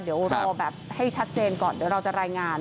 เดี๋ยวรอแบบให้ชัดเจนก่อนเดี๋ยวเราจะรายงาน